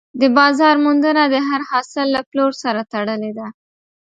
د بازار موندنه د هر حاصل له پلور سره تړلې ده.